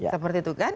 seperti itu kan